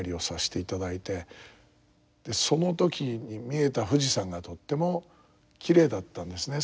その時に見えた富士山がとってもきれいだったんですね